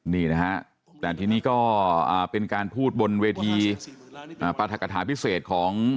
นี่นะฮะแต่ทีนี้ก็เป็นการพูดบนเวทีปรากฏฐาพิเศษของ